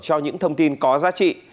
cho những thông tin có giá trị